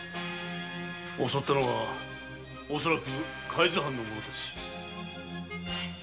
襲ったのはおそらく海津藩の者たち。